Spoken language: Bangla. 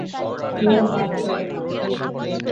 কেউ বাদ যাবে না।